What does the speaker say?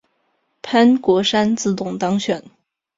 潘国山自动当选。